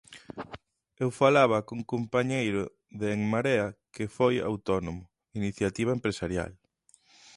Eu falaba cun compañeiro de En Marea que foi autónomo, iniciativa empresarial.